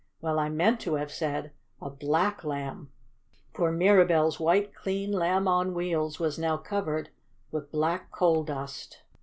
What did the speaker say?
Well, I meant to have said a BLACK Lamb. For Mirabell's white, clean Lamb on Wheels was now covered with black coal dust.